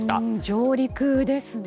上陸ですね。